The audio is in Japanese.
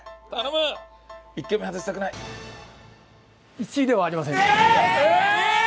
１位ではありません。